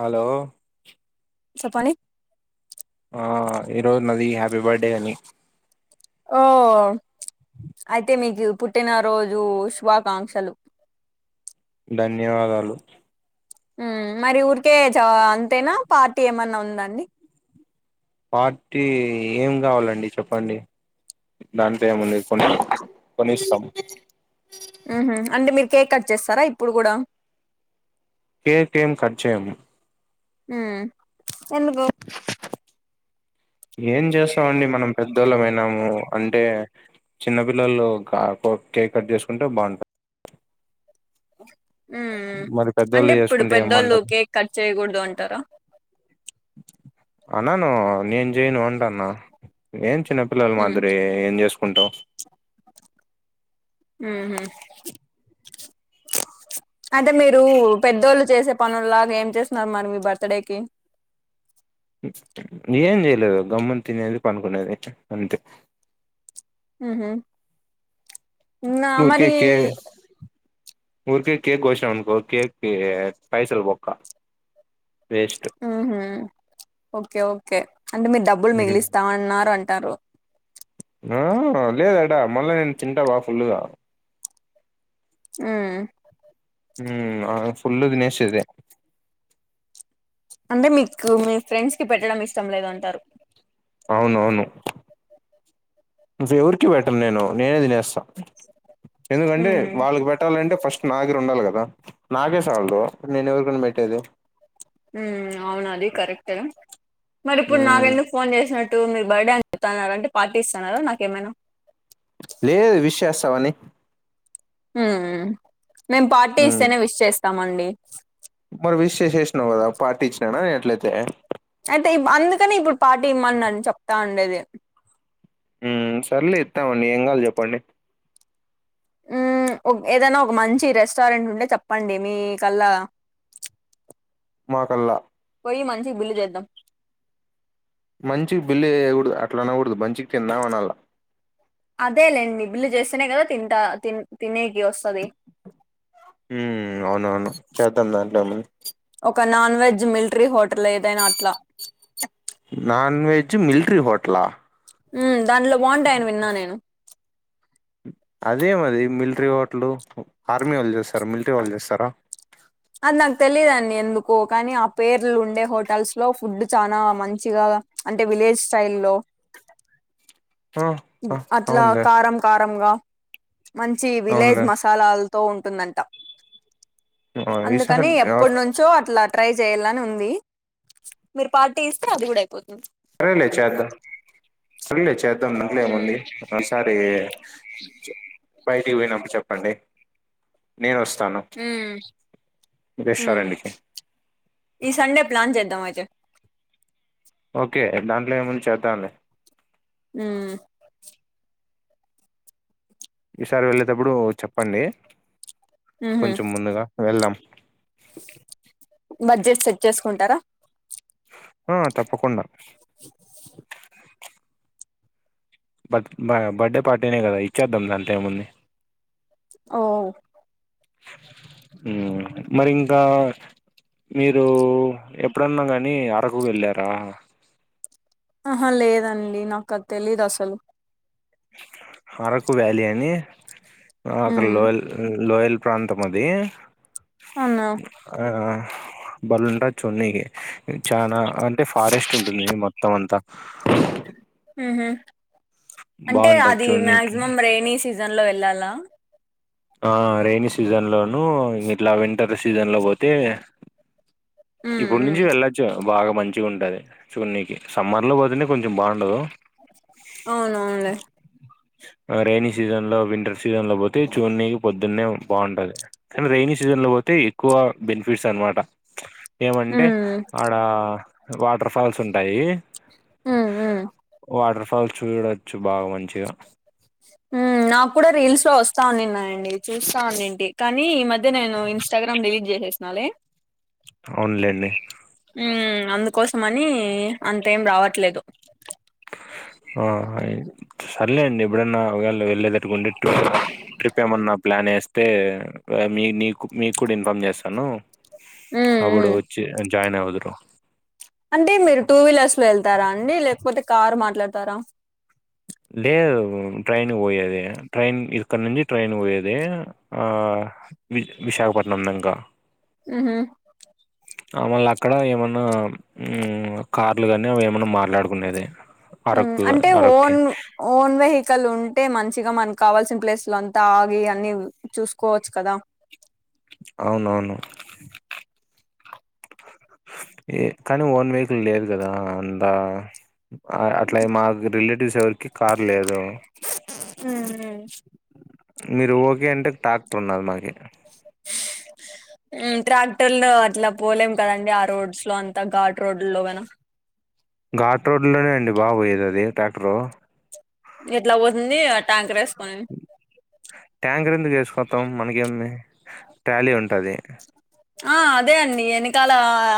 Hello చెప్పండి ఆ ఈ రోజు నది హ్యాపీ బర్త్డే అని ఓ అయితే మీకు పుట్టినరోజు శుభాకాంక్షలు ధన్యవాదాలు మరి ఊరికే చ అంతేనా పార్టీ ఏమన్నా ఉందండి పార్టీ ఏం గావాలండి చెప్పండి దాంట్లె ఏముంది కొని కొనీస్తాం అంటే మీరు కేక్ కట్ జేస్తారా ఇప్పుడు గూడా కేేకెం కట్ జేయము ఉమ్ ఎందుకు ఏం చేస్తామండి మనం పెద్దోళ్ళమైనాము అంటే చిన్న పిల్లలు క కొ కేక్ కట్ చేసుకుంటే బావుంటద్ ఆ ఉమ్ ఉమ్ అంటే ఇప్పుడు పెద్దోళ్ళు ఏమంటారు కేక్ కట్ చేయగూడదు అంటారా అన్నాను నేన్ జేయను అంటాన్న ఏం చిన్నపిల్లల మాదిరి ఏం జేసుకుంటామ్ ఉమ్ హ్ అదే మీరు పెద్దోళ్ళు చేసే పనుల్లాగా ఏం చేస్తున్నారు మరి మీ బర్తడే కి ఏం జేయలేదు గమ్మున తినేది పండుకునేది అంతే ఉమ్ హ్ ఊర్కే కే ఊర్కే కేక్ గోసినమనుకో కేక్ కి పైసల్ బొక్క వేస్ట్ ఉమ్ హ్ ఓకే ఓకే అంటే మీర్ డబ్బులు ఉమ్ మిగిలిస్తామన్నారు అంటారు ఆ లేదడా మళ్ళా నేను తింటా బాగ ఫుల్లుగా ఉమ్ ఉమ్ ఆ ఫుల్లు తినేసేది అంటే మీకు మీ ఫ్రెండ్స్ కి పెట్టడం ఇష్టం లేదు అంటారు అవునవును వెవొరికి పెట్టాను నేను, నేనే తినేస్తా ఎందుకంటే ఉమ్ వాళ్ళకి పెట్టాలంటే ఫస్ట్ నా దగ్గర ఉండాలి గదా నాకే సాలదు నేనెవరికనీ పెట్టేది ఉమ్ అవునదీ కరెక్టే మరిప్పుడు ఉమ్ నాకెందుకు ఫోన్ జేసినట్ టూ మీ బర్డే అని చెప్తన్నారంటే పార్టీ ఇస్తన్నారు నాకేమైనా లేదు విష్ చేస్తావని మ్మ్ మేము పార్టీ ఉమ్ ఇస్తేనే విష్ చేస్తామండి మరి విష్ చేసేసినవు గదా పార్టీ ఇచ్చినానా నేనట్లయితే అయితే అందుకనే ఇప్పుడు పార్టీ ఇవ్వమనిచెప్తా ఉండేది మ్ సర్లే ఇస్తామండి ఏం కావాలి చెప్పండి మ్ ఒ ఏదైనా ఒక మంచి రెస్టారెంట్ ఉంటే చెప్పండి మీ కల్లా మా కల్లా పోయి మంచిగ బిల్లు చేద్దాం మంచిగ బిల్లు చేయకూడదు అట్లా అనకూడదు మంచిగా తిందాం అనల్లా అదేలేండి బిల్లు చేస్తేనే కదా తింటా తినేకి వస్తది మ్ అవునవును చేద్దాం దాంట్లేముంది ఒక నాన్ వెజ్ మిలిటరీ హోటల్ ఏదైనా అట్లా నాన్ వెజ్ మిల్ట్రీ హోటలా మ్ దాంట్లో బాగుంటాయని విన్నా నేను అదే మది మిలిటరీ హోటల్ ఆర్మీ వాళ్ళు చేస్తారు మిలిటరీ వాళ్ళు చేస్తారా అది నాకు తెలిదండి ఎందుకో కానీ ఆ పేర్లు ఉండే హోటల్స్ లో ఫుడ్ చాలా మంచిగా అంటే విలేజ్ స్టైల్ లో [inaudible] ఆ ఇద్ ఆ అట్లా అవునులే కారం కారంగా మంచి విలేజ్ అవునులే మసాలాలతో ఉంటుందంట ఆ ఈసారి అందుకని ఆ ఎప్పటి నుంచో అట్లా ట్రై చేయాలని ఉంది మీరు పార్టీ ఇస్తే అది కూడా అయిపోతుంది సరేలే చేదాం సరేలే చేద్ ద్ధం దంట్లేముంది ఈ ఒకసారి బయటికి పోయినప్పుడు చెప్పండి నేను వస్తాను మ్ మ్ రెస్టారెంట్ కి ఈ సండే ప్లాన్ చేద్దాం అయితే ఓకే దాంట్లో ఏముంది చేద్దాం లే మ్ ఈసారి వెళ్ళేటప్పుడు చెప్పండి ఉహు కొంచెం ముందుగా వెళ్దాం బడ్జెట్ సెట్ చేసుకుంటారా ఆ తప్పకుండా [inaudible] బర్త్ బ బర్త్డే పార్టీనే కదా ఇచ్చేద్దాం దాంట్లో ఏముంది ఓ మ్ మరి ఇంకా మీరు ఎప్పుడన్నా కానీ అరకు వెళ్ళారా ఆహా లేదండి నాకు అది తెలీదు అసలు అరకు వ్యాలి అని అక్కడ ఉమ్ లోయల్ లోయల్ ప్రాంతం అది అవునా ఆ బల్లుంటది చుడానికి చానా అంటే ఫారెస్ట్ ఉంటుంది మొత్తం అంతా మ్ హు అంటే బాగుంటది అది చూడ్నికి మ్యాక్సిమం రెని సీజన్ లో వెళ్ళాలా ఆ రైనీ సీజన్ లోను ఇట్లా వింటర్ సీజన్ ల పోతే ఉమ్ ఇప్పుడు నుంచి ఉమ్ వెళ్ళొచ్చు బాగా మంచిగా ఉంటాది చూనికి సమ్మర్ లో పోతనే కొంచెం బాగుండదు అవునవునులే రైైనీ సీజన్ లో వింటర్ సీజన్ లో పోతే చూనికి పొద్దున్నే బాగుంటది కానీ రెైనీ సీజన్ లో పోతే ఎక్కువ బెనిఫిట్స్ అన్న మాట ఏమంటే ఉమ్ ఆడ వాటర్ ఫాల్స్ ఉంటాయి ఉ ఉ వాటర్ ఫాల్స్ చూడచ్చు బాగా మంచిగా ఉ నాకు కూడా రీల్స్ లో వస్తా ఉన్నాయండి చూస్తా ఉన్నింటి కానీ ఈ మధ్య నేను ఇన్స్ ఇన్స్టాగ్రామ్ డిలీట్ చేసేసినాలే అవునులెండి ఉ అందుకోసమని అంత ఏం రావట్లేదు ఆహా సర్లే అండి ఎప్పుడన్నా ఒకయె వెళ్ళేదట్టుగా ఉంటి ట్రిప్ ఏమన్నా ప్లాన్ యేస్త్ తే మీ నీకు మీకు కూడా ఇన్ఫార్మ్ చేస్తాను ఉమ్ ఉమ్ అప్పుడు వచ్చి జాయిన్ అవుదురు అంటే మీరు టూ వీలర్స్లో వెళ్తారా అండి లేకపోతే కార్ మాట్లాడతారా. లేదు ట్రైన్కి పోయేది ట్రైన్ ఇక్కడ నుంచి ట్రైన్కి పోయేది ఆ వి విశాఖపట్నం దాంకా ఉహు మళ్ళ అక్కడ ఏమన్నా ఉ కార్లు కానీ అవి ఏమన్నా మాట్లాడుకునేది. ఉమ్ అరకుగా అంటే అరక్కి ఓన్ ఓన్ వెహికల్ ఉంటే మంచిగా మనకు కావాల్సిన ప్లేసులంతా ఆగి అన్ని చూస్కోవచ్చు కదా అవునవును ఏ కానీ ఓన్ వెహికల్ లేదు కదా అంతా అ అట్లే మాకు రిలేటివ్స్ ఎవరికి కార్ లేదు ఉ ఉ మీరు ఓకే అంటే టాక్టర్ ఉన్నాది మాకి ఉమ్ ట్రాక్టర్లో అట్లా పోలేం కదండి ఆ రోడ్స్లో అంతా ఘాటు రోడ్లలోనా. ఘాటు రోడ్లోనే అండి బాగా పోయేది అది ట్రాక్టరు ఎట్లా పోతుంది ఆ ట్యాంకర్ యేసుకొని ట్యాంకర్ ఎందుకు వేసుకోస్తాం మనకేమి ట్రాలీ ఉంటాది. ఆ అదే అండి వెనికాల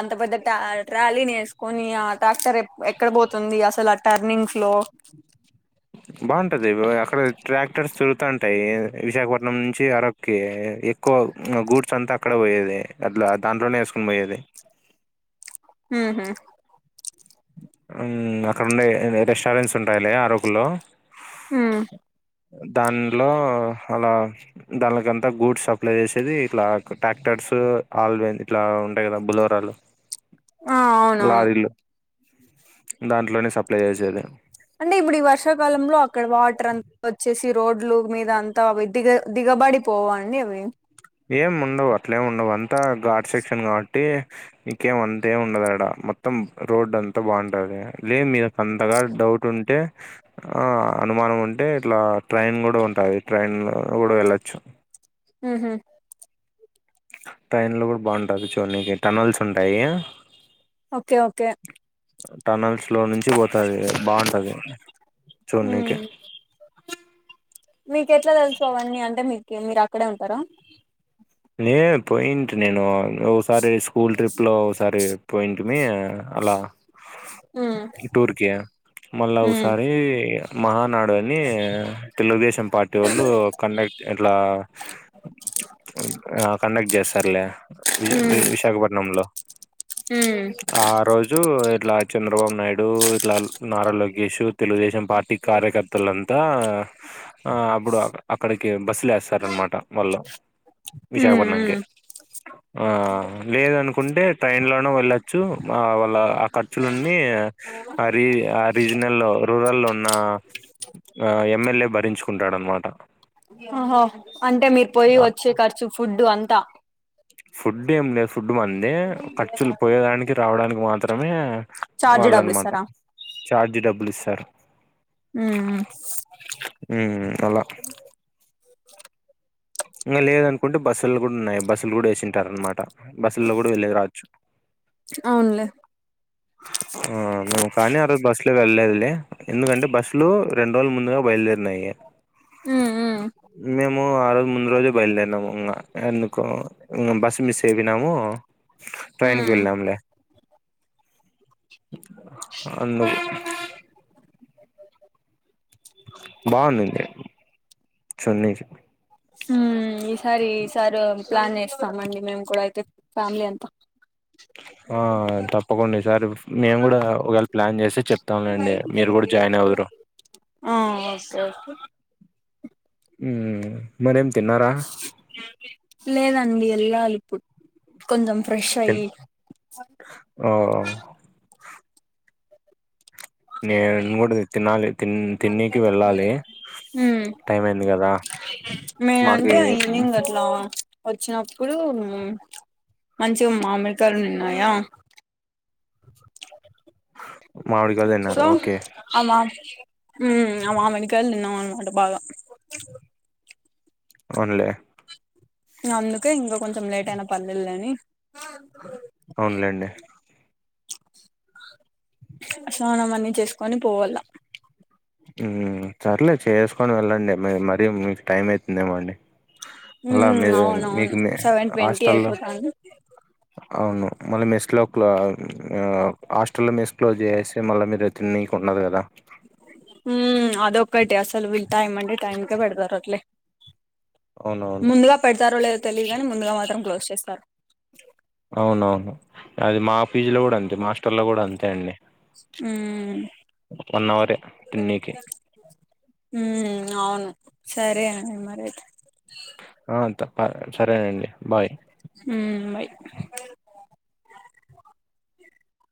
అంత పెద్ద ట్యా ట్రలీని వేసుకొని ఆ ట్రాక్టర్ ఎప్ ఎక్కడ పోతుంది అసలు ఆ టర్నింగ్స్లో బాగుంటది అక్కడ ట్రాక్టర్స్ తొరుగుతంటాయి విశాఖపట్నం నుంచి అరక్ ఓకే ఎక్కువ గూడ్స్ అంతా అక్కడ పోయేది అట్లా దాంట్లోనే వేసుకొని పోయేది. ఉహు ఉమ్ అక్కడ ఉండే రెస్టారెంట్స్ ఉంటాయిలే అరకులో మ్మ్ దాన్లో అలా దాన్లికంతా గూడ్స్ సప్లై చేసేది ఇట్లా ట్రాక్టర్సు ఆల్వను ఇట్లా ఉంటాయి కదా బులోరాలు ఆ అవునవును లారీలు దాంట్లోనే సప్లై చేసేది అంటే ఇప్పుడు ఈ వర్షాకాలంలో అక్కడ వాటర్ అంతా వచ్చేసి రోడ్లు మీద అంతా దిగ దిగబడి పోవా అండి అవి ఏం ఉండవు అట్లేం ఉండవు అంతా ఘార్డ్ సెక్షన్ కాబట్టి ఇంకేం అంతే ఉండదడా మొత్తం రోడ్ అంతా బాగుంటది లే మీద అంతగా డౌట్ ఉంటే ఆ అనుమానం ఉంటే ఇట్లా ట్రైన్ కూడా ఉంటాది ట్రైన్ కూడా వెళ్లచ్చు. ఉహు ట్రైన్లో కూడా బాగుంటాది చూన్నికి టనెల్స్ ఉంటాయి. ఓకే ఓకే టనల్స్ లో నుంచి పోతది బాగుంటది మ్మ్ చూడనీకి మీకు ఎట్లా తెలుసు అవన్నీ అంటే మీకు మీరు అక్కడే ఉంటారా లే పోయిటి నేను ఓసారి స్కూల్ ట్రిప్ లో ఓసారి పోయింటిమి అలా మ్మ్ టూర్ కి మళ్ళా మ్మ్ ఓసారి మహానాడు అని తెలుగుదేశం పార్టీ వాళ్ళు కండక్ట్ ఇట్లా ఆ కండక్ట్ చేస్తారులే వి మ్మ్ విశాఖపట్నంలో మ్మ్ ఆ రోజు ఇట్లా చంద్రబాబు నాయుడు ఇట్లా నారా లోకేష్ తెలుగుదేశం పార్టీ కార్యకర్తలంతా ఆ అప్పుడు అక్కడికి బస్సులు వేస్తారనమాట వాళ్ళు విశాఖపట్నం కి ఆ లేదనుకుంటే ట్రైన్ లోన వెళ్ళొచ్చు వాళ్ళ ఆ ఖర్చులన్నీ ఆ రీ ఆ రీజ నల లో రూరల్ లో ఉన్న ఆ ఎమ్మెల్యే భరించుకుంటాడనమాట ఆహ అంటే మీరు పోయి వచ్చే ఖర్చు ఫుడ్డు అంతా ఫుడ్ ఏం లేదు ఫుడ్ మంది ఖర్చులు పోయేడానికి రావడానికి మాత్రమే చార్జ్ డబ్బులు వాళ్ళనమాట ఇస్తారా చార్జి డబ్బులు ఇస్తారు హ్మ్ హ్మ్ అలా ఇగ లేదనుకుంటే బస్సుల్లో కూడా ఉన్నాయి బస్సులు కూడా వేసింటారు అనమాట బస్సుల్లో కూడా వెళ్ళేది రావచ్చు అవునులే ఆ నేను కానీ ఆరోజు బస్లో వెళ్ళలేదులే ఎందుకంటే బస్సులు రెండు రోజులు ముందుగా బయలుదేరినాయి ఉమ్ మేమ్ ఆ రోజు ముందు రోజే బయలుదేరినాము ఇంగ ఎందుకో బస్ మిస్ అయిపోయినాము ట్రైన్కి ఉమ్ వెళ్ళాంలే అందు బాగుండింది చూడనీకి హ్మ్ ఈసారి ఈసారి ప్లాన్ వేస్తామండి మేము కూడా అయితే ఫ్యామిలీ అంతా ఆ తప్పకుండా ఈ సారి మేము కూడా ఒకవేళ ప్లాన్ చేసి చెప్తాం లెండి మీరు కూడా జాయిన్ అవుదురు ఆ ఓకే ఓకే హ్మ్ మరేం తిన్నారా లేదండి ఎళ్ళాలి ఇప్పుడు కొంచెం ఫ్రెష్ అయి ఆ నేను కూడా తినాలి తి తిన్నికి వెళ్ళాలి ఉమ్ టైం అయింది కదా మాకి నేనంటే ఈవినింగ్ అట్లా వచ్చినప్పుడు మంచిగా మామిడి కాయలు ఉన్నాయా మామిడికాయలు తిన్నారు సో ఓకే అలా హ్మ్ ఆ మామిడికాయలు తిన్నామన్నమాట బాగా అవున్లే అందుకే ఇంకా కొంచెం లేట్ అయిన పర్లేదులే అని అవునులేండి స్నానం అన్ని చేసుకొని పోవల్లా హ్మ్ సర్లే చేసుకొని వెళ్ళండి మరీ మీకు టైం అవుతుందేమో అండి ఎలా మ్మ్ మీరు అవునవును మీకు మీ సెవెన్ ట్వంటీ హాస్టల్ల్లో అయిపోతాంది అవును మళ్ళీ మెస్ లో క్ హాస్టల్ లో మెస్ క్లోజ్ చేసి మళ్ళీ మీరు తిన్నకి ఉన్నది కదా ఉమ్మ్ అదొక్కటి అసలు వీళ్ళు టైం అంటే టైంకే పెడతారు అట్లే అవునవును ముందుగా పెడతారో లేదో తెలీయదు కాని ముందుగా మాత్రం క్లోజ్ చేస్తారు అవునవును అది మా ఫీజ్ లో కూడా అంతే మా హాస్టల్లో కూడా అంతే అండి మ్మ్ వన్ అవర్ తెన్నేకి ఉమ్ అవును సరే మరైతే ఆ తప్ప సరేనండి బాయ్ ఉమ్ బాయ్